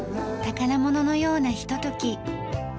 宝物のようなひととき。